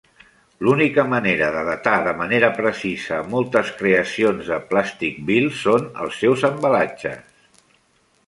L'única manera de datar de manera precisa moltes creacions de Plasticville són els seus embalatges.